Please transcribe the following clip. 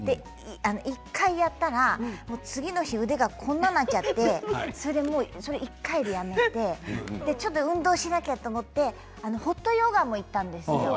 １回やったら次の日、腕がねこんなふうになっちゃってそれで１回でやめてちょっと運動しなきゃと思ってホットヨガも行ったんですよ。